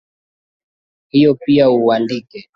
Hio pia uandike